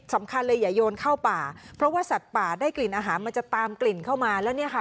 สำคัญเลยอย่าโยนเข้าป่าเพราะว่าสัตว์ป่าได้กลิ่นอาหารมันจะตามกลิ่นเข้ามาแล้วเนี่ยค่ะ